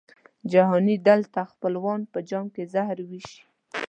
جهاني دلته دي خپلوان په جام کي زهر وېشي